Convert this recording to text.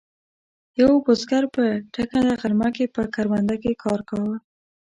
یوه بزګر په ټکنده غرمه کې په کرونده کې کار کاوه.